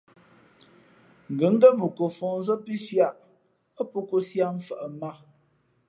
Ngα̌ ngén ko fα̌hnzᾱ pí sʉ̄ʼ ǎ, α pō kōsī ǎ mfαʼ mǎ.